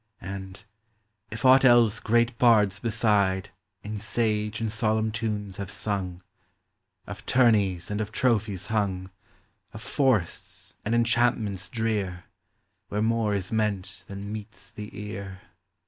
And, if aught else great bards beside In sage and solemn tunes have sung, — Of tourneys and of trophies hung, Of forests, and enchantments drear, Where more is meant than meets the ear.